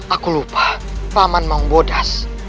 aku lupa paman maung bodas